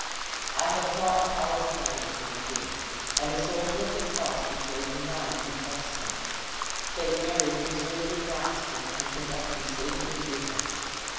"I have fought in Palestine," returned he, "and a soldier of the cross betrays none who trust him. Saint Mary preserve your master and conduct you safely to him.